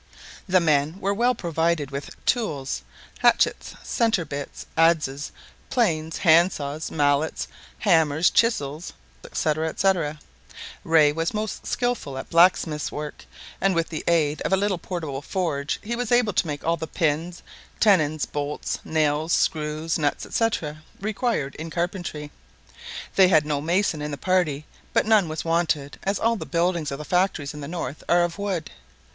The men were well provided with tools hatchets, centre bits, adzes, planes, hand saws, mallets, hammers, chisels, &c. &c. Rae was most skilful at blacksmith's work, and with the aid of a little portable forge he was able to make all the pins, tenons, bolts, nails, screws, nuts, &e., required in carpentry. They had no mason in the party; but none was wanted, as all the buildings of the factories in the north are of wood.